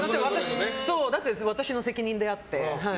だって私の責任であって。